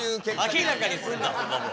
明らかにすんなこんなもん。